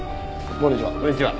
こんにちは。